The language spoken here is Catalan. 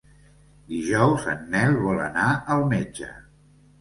Dijous en Nel vol anar al metge.